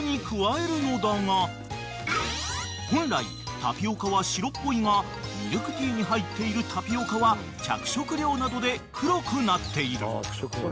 ［本来タピオカは白っぽいがミルクティーに入っているタピオカは着色料などで黒くなっている］